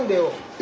え？